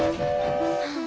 はあ。